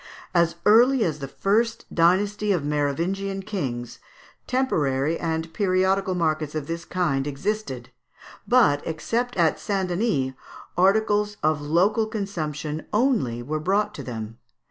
As early as the first dynasty of Merovingian kings, temporary and periodical markets of this kind existed; but, except at St. Denis, articles of local consumption only were brought to them.